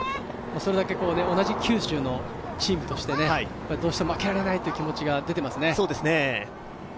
それだけ同じ九州のチームとしてどうしても負けられないという気持ちが出ていますね。